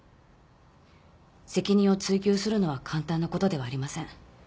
責任を追及するのは簡単なことではありません。